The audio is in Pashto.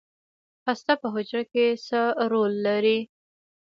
هسته په حجره کې څه رول لري؟